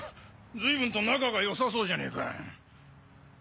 ずいぶんと仲が良さそうじゃねぇか。